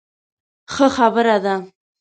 ښه خبره ده.